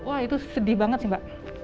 wah itu sedih banget sih mbak